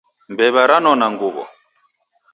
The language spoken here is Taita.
Mbewa ranona nguwo